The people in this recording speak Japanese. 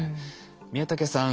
宮竹さん